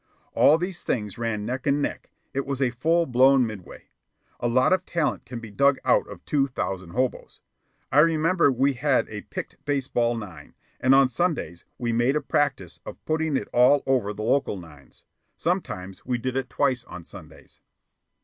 All these things ran neck and neck; it was a full blown Midway. A lot of talent can be dug out of two thousand hoboes. I remember we had a picked baseball nine, and on Sundays we made a practice of putting it all over the local nines. Sometimes we did it twice on Sundays.